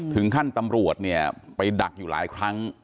ถึงขั้นตำรวจไปดักอยู่หลายครั้ง